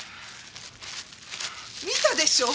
見たでしょう